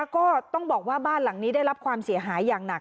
ก็ต้องบอกว่าบ้านหลังนี้ได้รับความเสียหายอย่างหนัก